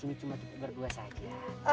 disini cuma kita berdua saja